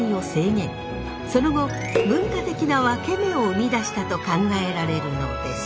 その後文化的なワケメを生み出したと考えられるのです。